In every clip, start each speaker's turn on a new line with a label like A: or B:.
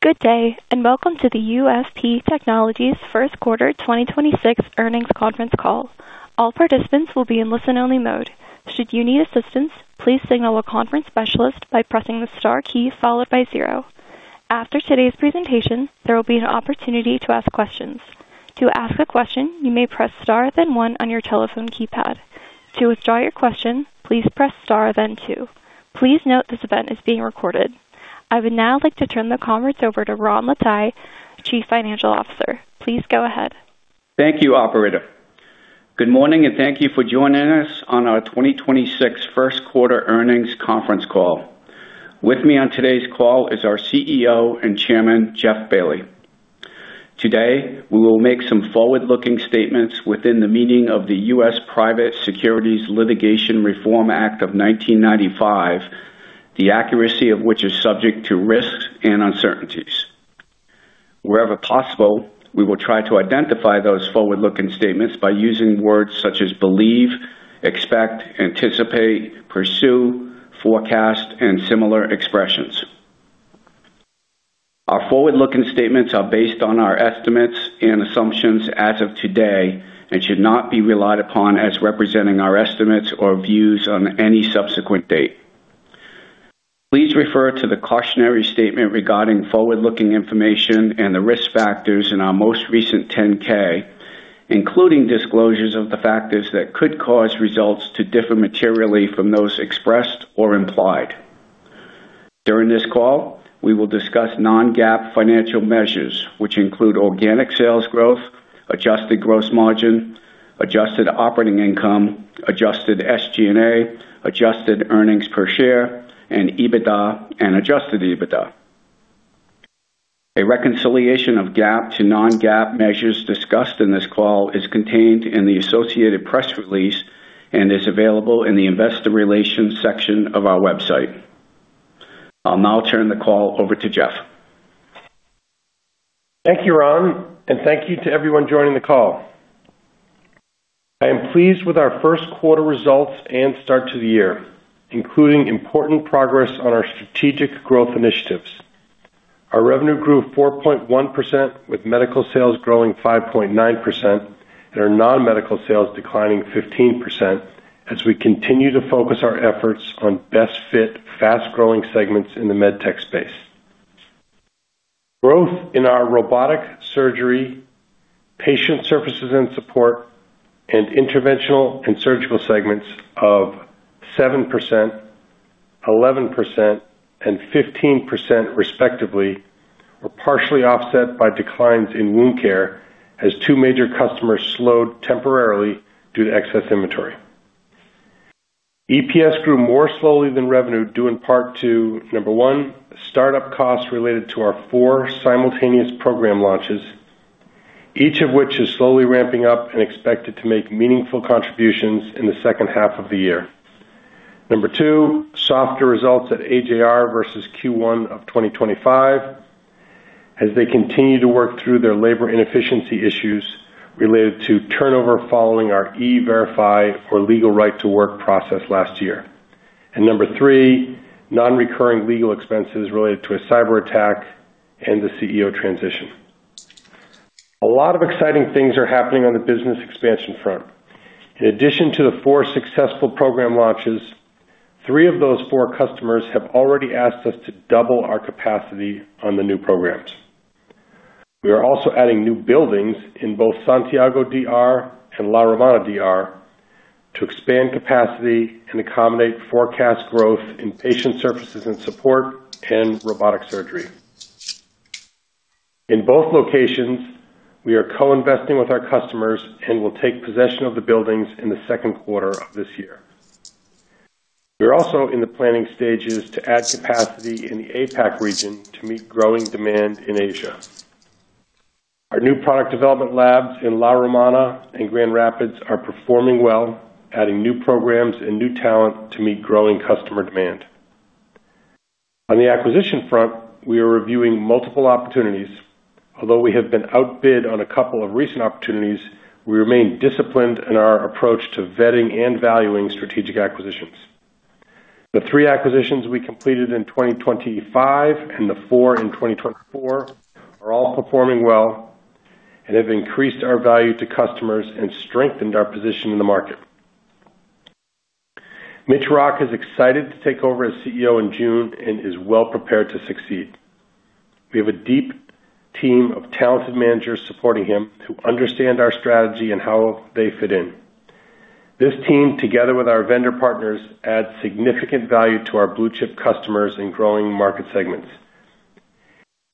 A: Good day. Welcome to the UFP Technologies 1st quarter 2026 earnings conference call. I would now like to turn the conference over to Ron Lataille, Chief Financial Officer. Please go ahead.
B: Thank you, operator. Good morning, and thank you for joining us on our 2026 first quarter earnings conference call. With me on today's call is our CEO and Chairman, R. Jeffrey Bailly. Today, we will make some forward-looking statements within the meaning of the U.S. Private Securities Litigation Reform Act of 1995, the accuracy of which is subject to risks and uncertainties. Wherever possible, we will try to identify those forward-looking statements by using words such as believe, expect, anticipate, pursue, forecast, and similar expressions. Our forward-looking statements are based on our estimates and assumptions as of today and should not be relied upon as representing our estimates or views on any subsequent date. Please refer to the cautionary statement regarding forward-looking information and the risk factors in our most recent 10-K, including disclosures of the factors that could cause results to differ materially from those expressed or implied. During this call, we will discuss non-GAAP financial measures, which include organic sales growth, adjusted gross margin, adjusted operating income, adjusted SG&A, adjusted earnings per share, and EBITDA and adjusted EBITDA. A reconciliation of GAAP to non-GAAP measures discussed in this call is contained in the associated press release and is available in the investor relations section of our website. I'll now turn the call over to Jeff Bailly.
C: Thank you, Ron, and thank you to everyone joining the call. I am pleased with our first quarter results and start to the year, including important progress on our strategic growth initiatives. Our revenue grew 4.1% with medical sales growing 5.9% and our non-medical sales declining 15% as we continue to focus our efforts on best fit, fast-growing segments in the med tech space. Growth in our robotic surgery, patient services and support, and interventional and surgical segments of 7%, 11%, and 15% respectively, were partially offset by declines in wound care as two major customers slowed temporarily due to excess inventory. EPS grew more slowly than revenue due in part to, number 1, startup costs related to our 4 simultaneous program launches, each of which is slowly ramping up and expected to make meaningful contributions in the second half of the year. Number 2, softer results at AJR versus Q1 of 2025 as they continue to work through their labor inefficiency issues related to turnover following our E-Verify or legal right to work process last year. Number 3, non-recurring legal expenses related to a cyber attack and the CEO transition. A lot of exciting things are happening on the business expansion front. In addition to the 4 successful program launches, 3 of those 4 customers have already asked us to double our capacity on the new programs. We are also adding new buildings in both Santiago D.R. and La Romana D.R. to expand capacity and accommodate forecast growth in patient services and support and robotic surgery. In both locations, we are co-investing with our customers and will take possession of the buildings in the second quarter of this year. We're also in the planning stages to add capacity in the APAC region to meet growing demand in Asia. Our new product development labs in La Romana and Grand Rapids are performing well, adding new programs and new talent to meet growing customer demand. On the acquisition front, we are reviewing multiple opportunities. Although we have been outbid on a couple of recent opportunities, we remain disciplined in our approach to vetting and valuing strategic acquisitions. The 3 acquisitions we completed in 2025 and the 4 in 2024 are all performing well and have increased our value to customers and strengthened our position in the market. Mitch Rock is excited to take over as CEO in June and is well prepared to succeed. We have a deep team of talented managers supporting him who understand our strategy and how they fit in. This team, together with our vendor partners, adds significant value to our blue-chip customers in growing market segments.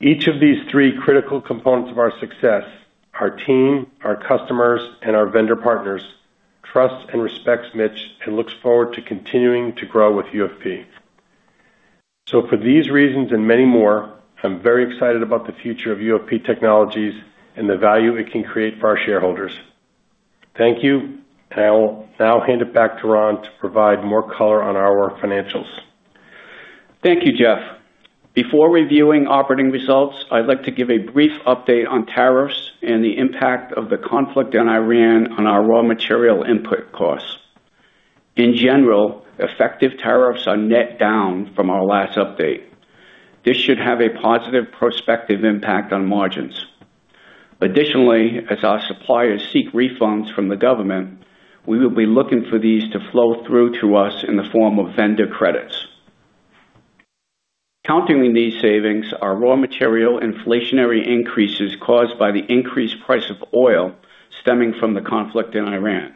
C: Each of these 3 critical components of our success, our team, our customers, and our vendor partners, trusts and respects Mitch and looks forward to continuing to grow with UFP. For these reasons and many more, I'm very excited about the future of UFP Technologies and the value it can create for our shareholders. Thank you. I will now hand it back to Ron to provide more color on our financials.
B: Thank you, Jeff. Before reviewing operating results, I'd like to give a brief update on tariffs and the impact of the conflict in Iran on our raw material input costs. In general, effective tariffs are net down from our last update. This should have a positive prospective impact on margins. Additionally, as our suppliers seek refunds from the government, we will be looking for these to flow through to us in the form of vendor credits. Counting in these savings are raw material inflationary increases caused by the increased price of oil stemming from the conflict in Iran.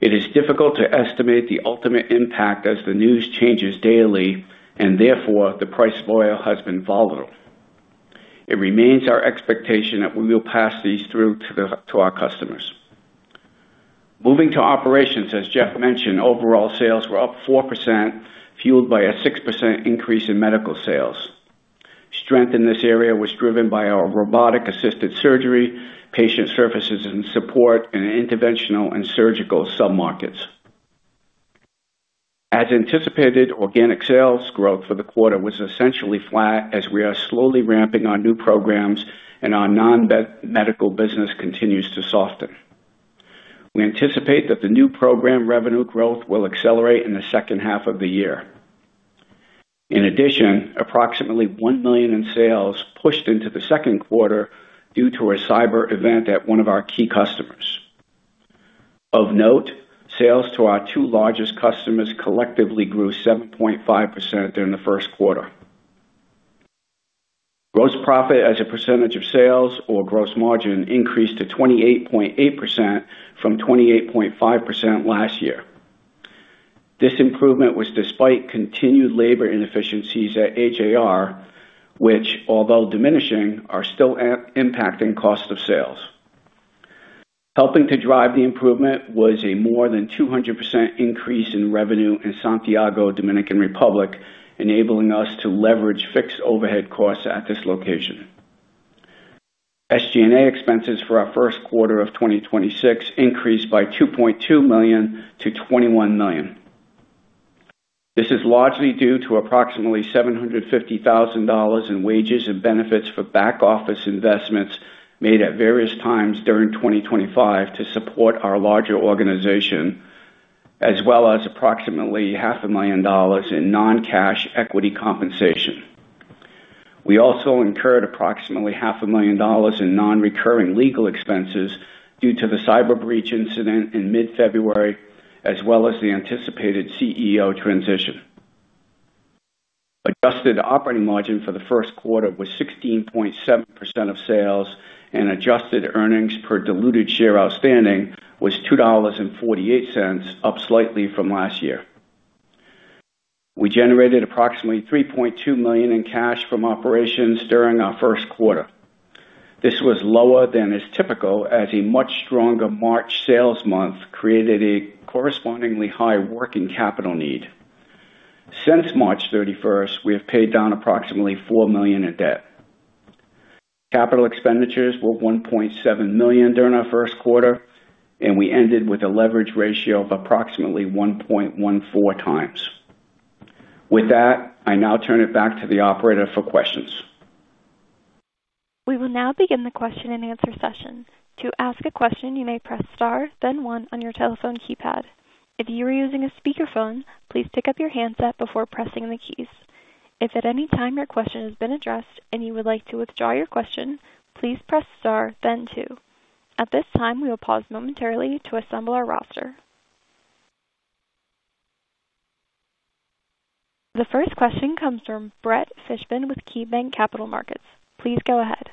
B: It is difficult to estimate the ultimate impact as the news changes daily and therefore the price of oil has been volatile. It remains our expectation that we will pass these through to our customers. Moving to operations, as Jeff mentioned, overall sales were up 4%, fueled by a 6% increase in medical sales. Strength in this area was driven by our robotic-assisted surgery, patient services and support, and interventional and surgical sub-markets. As anticipated, organic sales growth for the quarter was essentially flat as we are slowly ramping our new programs and our non-medical business continues to soften. We anticipate that the new program revenue growth will accelerate in the second half of the year. Approximately $1 million in sales pushed into the second quarter due to a cyber event at one of our key customers. Of note, sales to our 2 largest customers collectively grew 7.5% during the first quarter. Gross profit as a percentage of sales or gross margin increased to 28.8% from 28.5% last year. This improvement was despite continued labor inefficiencies at AJR, which although diminishing, are still impacting cost of sales. Helping to drive the improvement was a more than 200% increase in revenue in Santiago, Dominican Republic, enabling us to leverage fixed overhead costs at this location. SG&A expenses for our first quarter of 2026 increased by $2.2 million to $21 million. This is largely due to approximately $750,000 in wages and benefits for back-office investments made at various times during 2025 to support our larger organization, as well as approximately half a million dollars in non-cash equity compensation. We also incurred approximately half a million dollars in non-recurring legal expenses due to the cyber breach incident in mid-February, as well as the anticipated CEO transition. Adjusted operating margin for the first quarter was 16.7% of sales, and adjusted earnings per diluted share outstanding was $2.48, up slightly from last year. We generated approximately $3.2 million in cash from operations during our first quarter. This was lower than is typical, as a much stronger March sales month created a correspondingly high working capital need. Since March 31st, we have paid down approximately $4 million in debt. Capital expenditures were $1.7 million during our first quarter, and we ended with a leverage ratio of approximately 1.14 times. With that, I now turn it back to the operator for questions.
A: We will now begin the question-and-answer session. To ask a question, you may press star then one on your telephone keypad. If you are using a speakerphone, please pick up your handset before pressing the keys. If at any time your question has been addressed and you would like to withdraw your question, please press star then two. At this time, we will pause momentarily to assemble our roster. The first question comes from Brett Fishbin with KeyBanc Capital Markets. Please go ahead.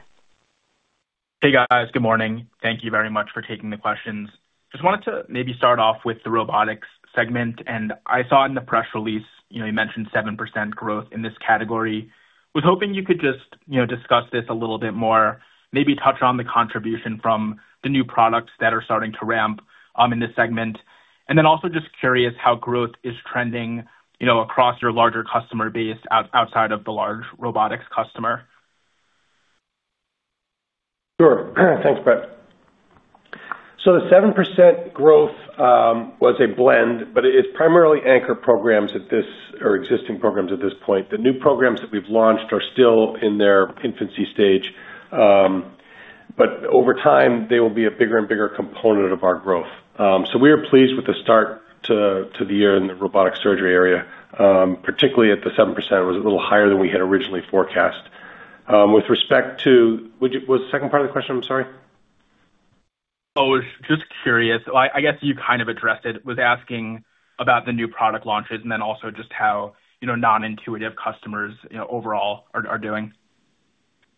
D: Hey, guys. Good morning. Thank you very much for taking the questions. Just wanted to maybe start off with the robotics segment. I saw in the press release, you know, you mentioned 7% growth in this category. Was hoping you could just, you know, discuss this a little bit more, maybe touch on the contribution from the new products that are starting to ramp in this segment. Also just curious how growth is trending, you know, across your larger customer base outside of the large robotics customer.
B: Sure. Thanks, Brett. The 7% growth was a blend, but it is primarily anchor programs or existing programs at this point. The new programs that we've launched are still in their infancy stage. Over time, they will be a bigger and bigger component of our growth. We are pleased with the start to the year in the robotic surgery area, particularly at the 7%. It was a little higher than we had originally forecast. With respect to What's the second part of the question? I'm sorry.
D: Oh, was just curious. Well, I guess you kind of addressed it. I was asking about the new product launches also just how, you know, non-Intuitive customers, you know, overall are doing.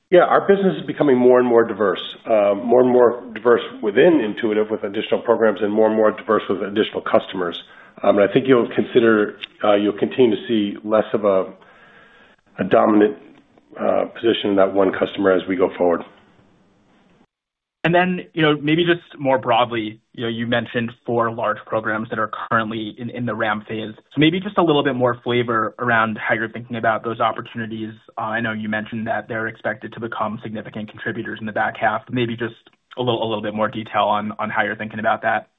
B: Yeah, our business is becoming more and more diverse. More and more diverse within Intuitive with additional programs and more and more diverse with additional customers. I think you'll consider, you'll continue to see less of a dominant position in that one customer as we go forward.
D: Then, you know, maybe just more broadly, you know, you mentioned 4 large programs that are currently in the ramp phase. Maybe just a little bit more flavor around how you're thinking about those opportunities. I know you mentioned that they're expected to become significant contributors in the back half. Maybe just a little bit more detail on how you're thinking about that.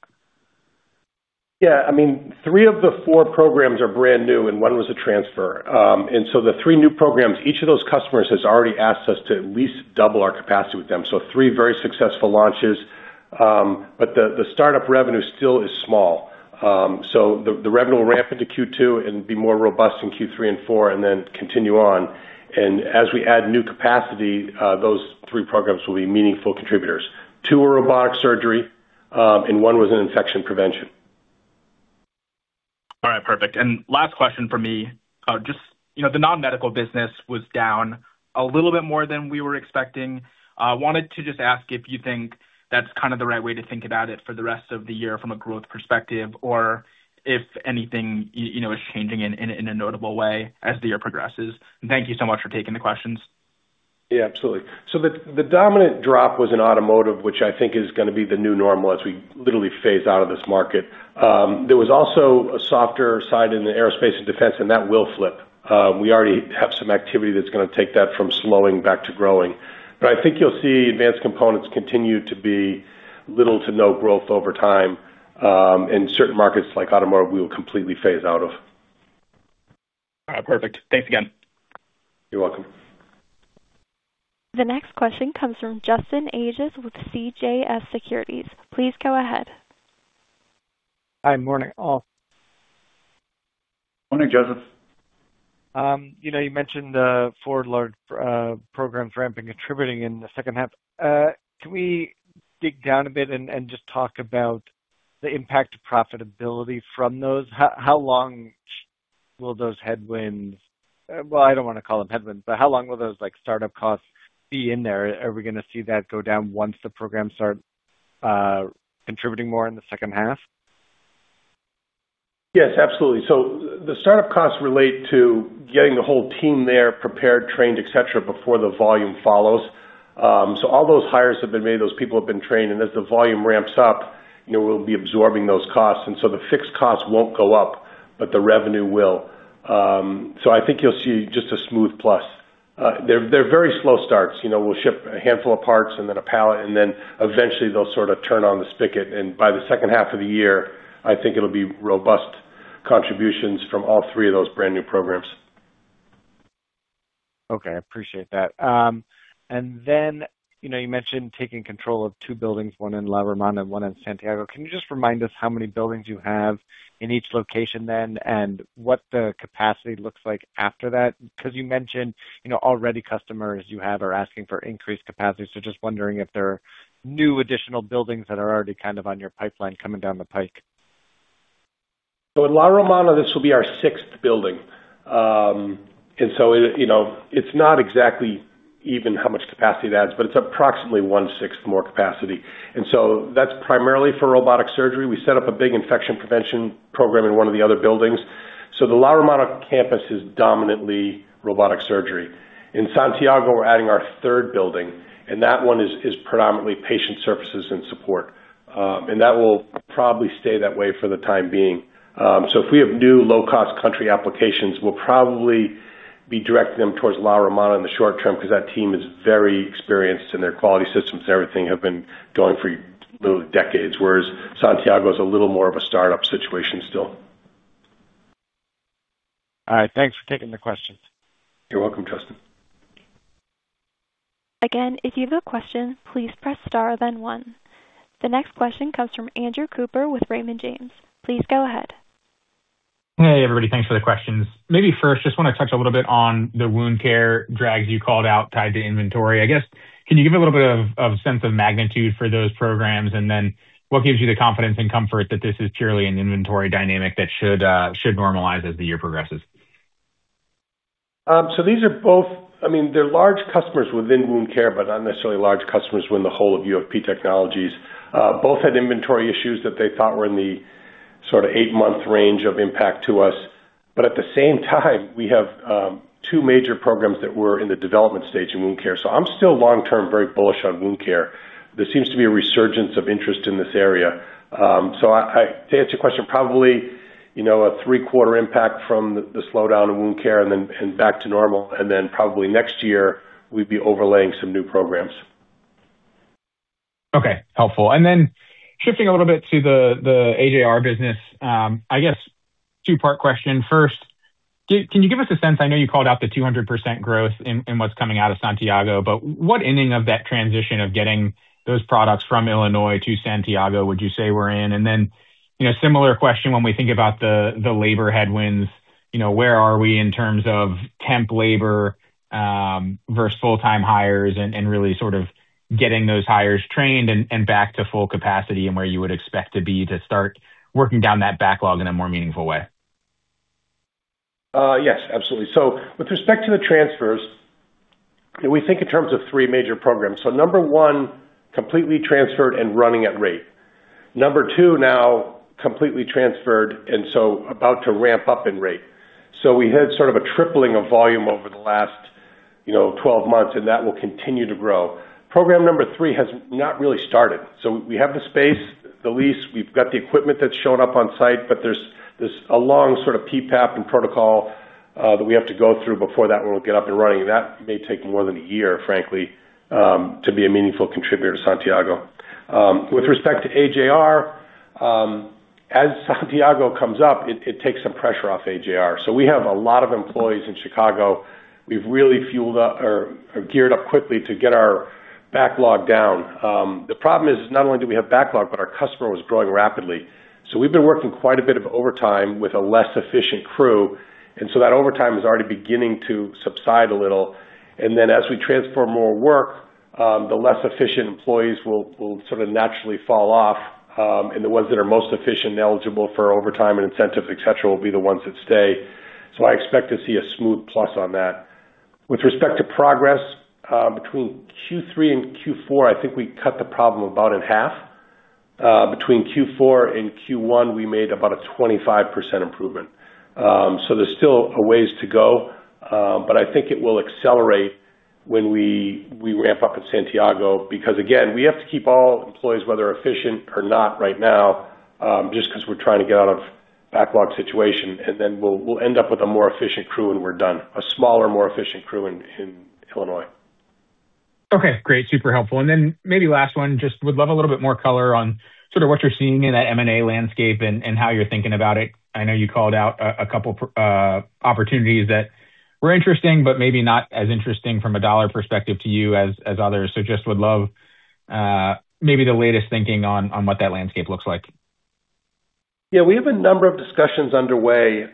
B: Yeah, I mean, three of the four programs are brand new, and one was a transfer. The three new programs, each of those customers has already asked us to at least double our capacity with them. Three very successful launches.
C: The startup revenue still is small. The revenue will ramp into Q2 and be more robust in Q3 and 4, and then continue on. As we add new capacity, those three programs will be meaningful contributors. Two are robotic surgery, and one was an infection prevention.
D: All right. Perfect. Last question for me. Just, you know, the non-medical business was down a little bit more than we were expecting. Wanted to just ask if you think that's kind of the right way to think about it for the rest of the year from a growth perspective, or if anything, you know, is changing in a notable way as the year progresses. Thank you so much for taking the questions.
C: Yeah, absolutely. The, the dominant drop was in automotive, which I think is gonna be the new normal as we literally phase out of this market. There was also a softer side in the aerospace and defense, and that will flip. We already have some activity that's gonna take that from slowing back to growing. I think you'll see advanced components continue to be little to no growth over time, and certain markets like automotive we'll completely phase out of.
D: All right. Perfect. Thanks again.
C: You're welcome.
A: The next question comes from Justin Ages with CJS Securities. Please go ahead.
E: Hi, morning all.
C: Morning, Justin Ages.
E: You know, you mentioned 4 large programs ramping, contributing in the second half. Can we dig down a bit and just talk about the impact to profitability from those? How long will those headwinds? Well, I don't wanna call them headwinds, but how long will those, like, startup costs be in there? Are we gonna see that go down once the programs start contributing more in the second half?
C: Yes, absolutely. The startup costs relate to getting the whole team there prepared, trained, et cetera, before the volume follows. All those hires have been made, those people have been trained, and as the volume ramps up, you know, we'll be absorbing those costs. The fixed costs won't go up, but the revenue will. I think you'll see just a smooth plus. They're very slow starts. You know, we'll ship a handful of parts and then a pallet, and then eventually they'll sort of turn on the spigot, and by the second half of the year, I think it'll be robust contributions from all three of those brand new programs.
E: Okay. I appreciate that. You know, you mentioned taking control of two buildings, one in La Romana, one in Santiago. Can you just remind us how many buildings you have in each location then, and what the capacity looks like after that? Because you mentioned, you know, already customers you have are asking for increased capacity. Just wondering if there are new additional buildings that are already kind of on your pipeline coming down the pike.
C: In La Romana, this will be our sixth building. You know, it's not exactly even how much capacity it adds, but it's approximately one-sixth more capacity. That's primarily for robotic surgery. We set up a big infection prevention program in one of the other buildings. The La Romana campus is dominantly robotic surgery. In Santiago, we're adding our third building, and that one is predominantly patient services and support. And that will probably stay that way for the time being. If we have new low-cost country applications, we'll probably be directing them towards La Romana in the short term because that team is very experienced and their quality systems and everything have been going for literally decades, whereas Santiago is a little more of a startup situation still.
E: All right. Thanks for taking the questions.
C: You're welcome, Justin.
A: Again, if you have a question, please press star then one. The next question comes from Andrew Cooper with Raymond James. Please go ahead.
F: Hey, everybody. Thanks for the questions. First, just wanna touch a little bit on the wound care drags you called out tied to inventory. I guess, can you give a little bit of sense of magnitude for those programs? What gives you the confidence and comfort that this is purely an inventory dynamic that should normalize as the year progresses?
C: These are both I mean, they're large customers within wound care, but not necessarily large customers within the whole of UFP Technologies. Both had inventory issues that they thought were in the sort of 8-month range of impact to us. At the same time, we have 2 major programs that were in the development stage in wound care. I'm still long-term very bullish on wound care. There seems to be a resurgence of interest in this area. To answer your question, probably, you know, a 3-quarter impact from the slowdown in wound care and then back to normal. Probably next year, we'd be overlaying some new programs.
F: Okay. Helpful. Shifting a little bit to the AJR business, I guess two-part question. First, can you give us a sense, I know you called out the 200% growth in what's coming out of Santiago, but what inning of that transition of getting those products from Illinois to Santiago would you say we're in? Similar question, when we think about the labor headwinds, you know, where are we in terms of temp labor versus full-time hires and really sort of getting those hires trained and back to full capacity and where you would expect to be to start working down that backlog in a more meaningful way?
C: Yes, absolutely. With respect to the transfers, we think in terms of 3 major programs. Number 1, completely transferred and running at rate. Number 2, now completely transferred, and about to ramp up in rate. We had sort of a tripling of volume over the last, you know, 12 months, and that will continue to grow. Program number 3 has not really started. We have the space, the lease, we've got the equipment that's shown up on site, but there's a long sort of PPAP and protocol that we have to go through before that one will get up and running. That may take more than 1 year, frankly, to be a meaningful contributor to Santiago. With respect to AJR. As Santiago comes up, it takes some pressure off AJR. We have a lot of employees in Chicago. We've really fueled up or geared up quickly to get our backlog down. The problem is not only do we have backlog, but our customer was growing rapidly. We've been working quite a bit of overtime with a less efficient crew. That overtime is already beginning to subside a little. As we transfer more work, the less efficient employees will sort of naturally fall off, and the ones that are most efficient and eligible for overtime and incentive, et cetera, will be the ones that stay. I expect to see a smooth plus on that. With respect to progress, between Q3 and Q4, I think we cut the problem about in half. Between Q4 and Q1, we made about a 25% improvement. There's still a ways to go, but I think it will accelerate when we ramp up in Santiago, because again, we have to keep all employees, whether efficient or not right now, just 'cause we're trying to get out of backlog situation. We'll end up with a more efficient crew when we're done, a smaller, more efficient crew in Illinois.
F: Okay, great. Super helpful. Then maybe last one, just would love a little bit more color on sort of what you're seeing in that M&A landscape and how you're thinking about it. I know you called out a couple opportunities that were interesting, but maybe not as interesting from a dollar perspective to you as others. Just would love maybe the latest thinking on what that landscape looks like.
C: Yeah, we have a number of discussions underway.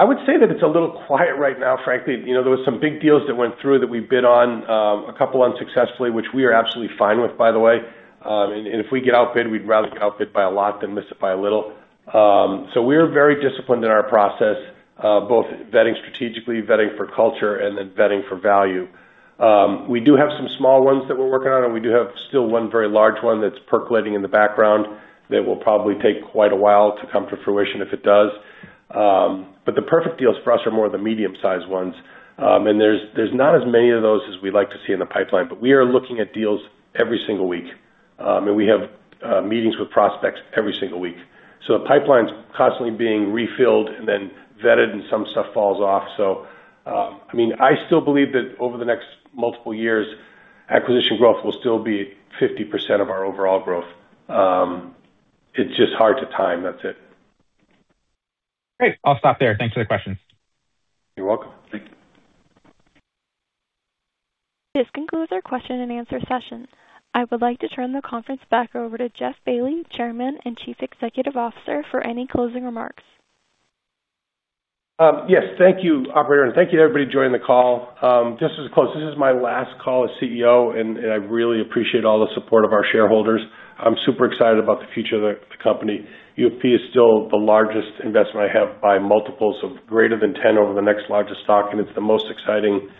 C: I would say that it's a little quiet right now, frankly. You know, there were some big deals that went through that we've bid on, a couple unsuccessfully, which we are absolutely fine with, by the way. If we get outbid, we'd rather get outbid by a lot than miss it by a little. We're very disciplined in our process, both vetting strategically, vetting for culture, and then vetting for value. We do have some small ones that we're working on, and we do have still one very large one that's percolating in the background that will probably take quite a while to come to fruition if it does. The perfect deals for us are more the medium-sized ones. There's not as many of those as we'd like to see in the pipeline, but we are looking at deals every single week. We have meetings with prospects every single week. The pipeline's constantly being refilled and then vetted, and some stuff falls off. I mean, I still believe that over the next multiple years, acquisition growth will still be 50% of our overall growth. It's just hard to time, that's it.
F: Great. I'll stop there. Thanks for the questions.
C: You're welcome. Thank you.
A: This concludes our question and answer session. I would like to turn the conference back over to R. Jeffrey Bailly, Chairman and Chief Executive Officer, for any closing remarks.
C: Yes. Thank you, Operator, and thank you everybody who joined the call. Just to close, this is my last call as CEO, and I really appreciate all the support of our shareholders. I'm super excited about the future of the company. UFP is still the largest investment I have by multiples of greater than 10 over the next largest stock, and it's the most exciting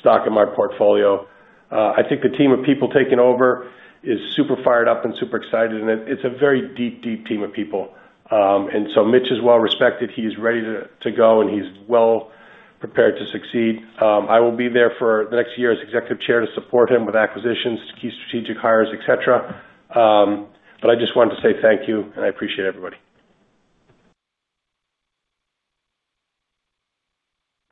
C: stock in my portfolio. I think the team of people taking over is super fired up and super excited, and it's a very deep team of people. Mitch is well respected. He's ready to go, and he's well prepared to succeed. I will be there for the next year as Executive Chair to support him with acquisitions, to key strategic hires, et cetera. I just wanted to say thank you, and I appreciate everybody.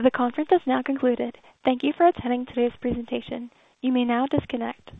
A: The conference has now concluded. Thank you for attending today's presentation. You may now disconnect.